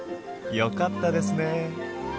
よかったですね。